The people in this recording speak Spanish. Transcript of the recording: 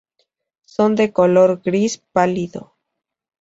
Son de color gris pálido.